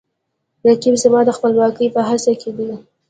رقیب زما د خپلواکۍ په هڅه کې دی